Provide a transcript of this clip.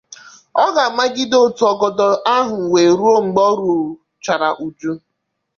ọ ga-amàgide otu ọgọdọ ahụ wee ruo mgbe o ruchara uju